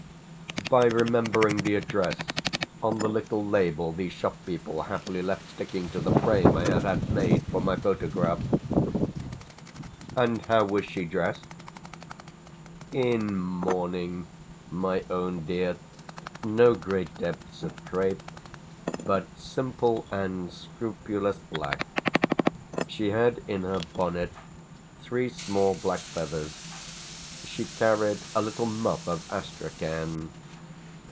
"By remembering the address on the little label the shop people happily left sticking to the frame I had had made for my photograph." "And how was she dressed?" "In mourning, my own dear. No great depths of crape, but simple and scrupulous black. She had in her bonnet three small black feathers. She carried a little muff of astrachan.